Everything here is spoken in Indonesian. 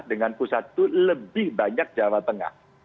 dengan pusat itu lebih banyak jawa tengah